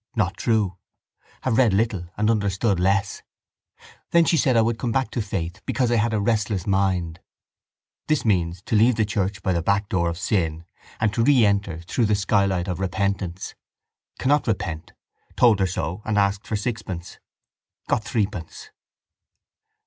Not true. Have read little and understood less. Then she said I would come back to faith because I had a restless mind. This means to leave church by backdoor of sin and re enter through the skylight of repentance. Cannot repent. Told her so and asked for sixpence. Got threepence.